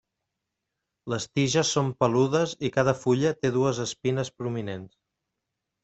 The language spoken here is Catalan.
Les tiges són peludes i cada fulla té dues espines prominents.